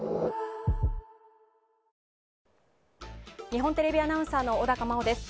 日本テレビアナウンサーの小高茉緒です。